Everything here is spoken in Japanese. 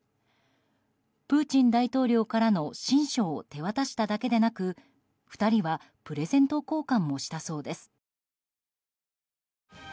プーチン大統領からの親書を手渡しただけでなく２人はプレゼント交換もしたそうです。